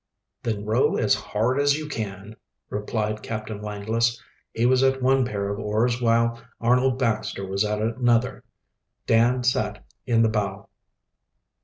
"Then row as hard as you can," replied Captain Langless. He was at one pair of oars while Arnold Baxter was at another. Dan sat in the bow.